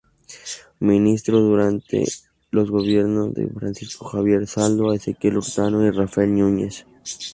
Ministro durante los gobiernos de Francisco Javier Zaldúa, Ezequiel Hurtado y Rafael Núñez.